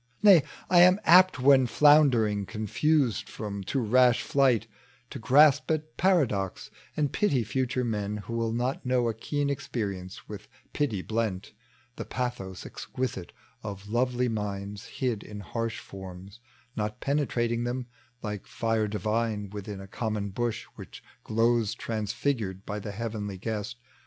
Nay, I am apt when floundering confased From too rash flight, to grasp at parados, And pity future men who will not know A keen experience with pity blent, The pathos exquisite of lovely minda Hid in harsh forms — not penetrating them Like Are divine within a common bush "Which glows transfigured by the heavenly guest.